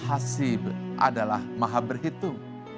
al masib adalah maha berhitung